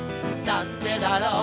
なんでだろう